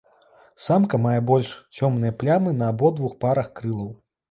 Самка мае больш цёмныя плямы на абодвух парах крылаў.